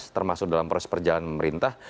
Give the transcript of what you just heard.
termasuk dalam proses perjalanan pemerintah